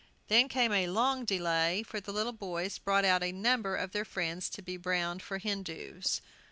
Then came a long delay, for the little boys brought out a number of their friends to be browned for Hindoos.